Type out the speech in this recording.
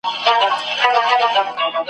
او د لیکلو لپاره څه نه لري !.